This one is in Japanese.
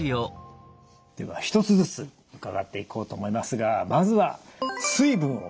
では一つずつ伺っていこうと思いますがまずは水分を控える。